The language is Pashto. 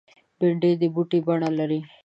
بېنډۍ د بوټي بڼه لري